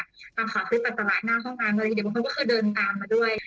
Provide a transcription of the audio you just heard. เขาขอซื้อปัสสาวะหน้าห้องน้ำแต่มณฑ์คันเค้าเคยตามมาด้วย